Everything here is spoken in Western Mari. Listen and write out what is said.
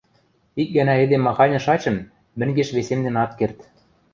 Ик гӓнӓ эдем маханьы шачын, мӹнгеш весемден ат керд.